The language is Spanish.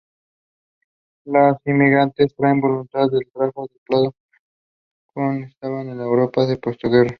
Los inmigrantes traen voluntad de trabajo, desplazados como estaban en la Europa de posguerra.